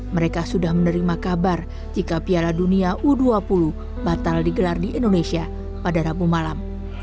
mereka sudah menerima kabar jika piala dunia u dua puluh batal digelar di indonesia pada rabu malam